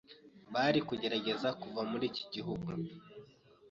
bari kugerageza kuva muri iki gihugu